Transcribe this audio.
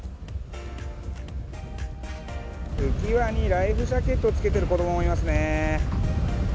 浮き輪にライフジャケットを着けている子どももいますね。